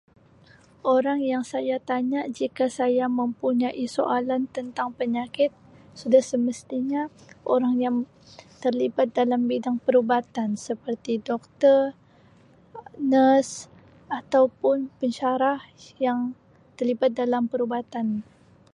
Orang yang saya tanya jika saya mempunyai soalan tentang penyakit sudah semestinya orang yang terlibat dalam bidang perubatan seperti Doktor, Nurse atau pun Pensyarah yang terlibat dalam perubatan.